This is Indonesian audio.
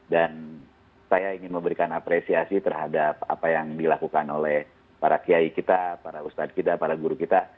dan saya ingin memberikan apresiasi terhadap apa yang dilakukan oleh para kiai kita para ustadz kita para guru kita